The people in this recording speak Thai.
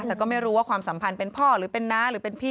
แต่ก็ไม่รู้ว่าความสัมพันธ์เป็นพ่อหรือเป็นน้าหรือเป็นพี่